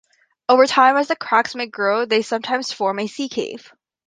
Over time, as the cracks may grow they sometimes form a sea cave.